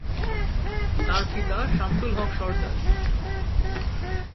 তার পিতা শামসুল হক সরদার।